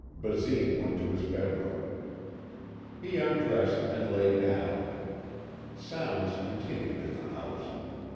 Basine went to his bedroom. He undressed and lay down. Sounds continued in the house.